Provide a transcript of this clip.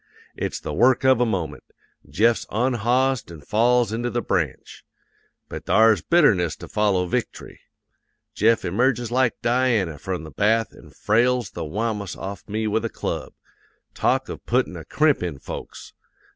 It's the work of a moment; Jeff's onhossed an' falls into the Branch. "'But thar's bitterness to follow vict'ry. Jeff emerges like Diana from the bath an' frales the wamus off me with a club. Talk of puttin' a crimp in folks!